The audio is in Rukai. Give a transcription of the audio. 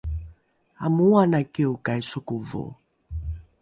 amooanai kiokai sokovo